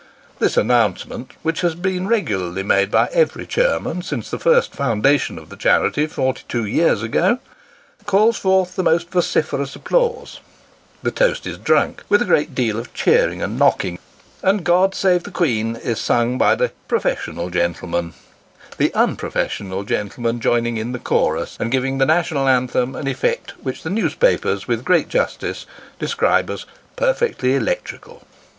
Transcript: " This announcement (which has been regularly made by every chairman, since the first foundation of the charity, forty two years ago) calls forth the most vociferous applause ; the toast is drunk with a great deal of cheering and knocking ; and " God save the Queen " is sung by the " professional gentlemen ;" the unprofessional gentlemen joining in the chorus, and giving the national anthem an 124 Sketches by Bos. effect which the newspapers, with great justice, describe as " perfectly electrical."